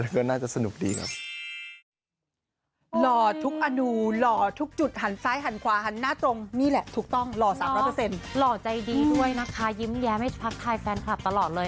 ก็น่าจะสนุกดีครับ